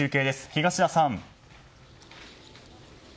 東田さん。